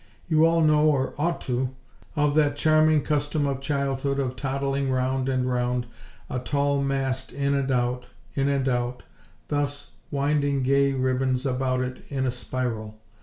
You all know, or ought to, of that charming custom of childhood of toddling round and round a tall mast in and out, in and out, thus winding gay ribbons about it in a spiral.